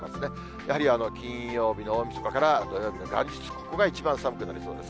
やはり金曜日の大みそかから土曜日の元日、ここが一番寒くなりそうです。